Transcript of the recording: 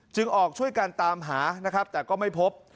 ออกช่วยกันตามหานะครับแต่ก็ไม่พบ